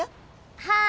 はい。